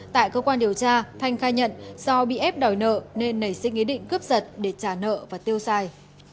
tại cơ quan điều tra thanh khai nhận do bị ép đòi nợ nên nảy sinh ý định cướp giật để trả nợ và tiêu xài